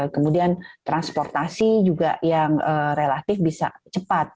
kemudian transportasi juga yang relatif bisa cepat